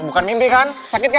bukan mimpi kan sakit kan